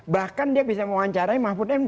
bahkan dia bisa mewawancarai mahfud md